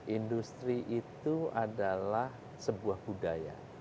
industri itu adalah sebuah budaya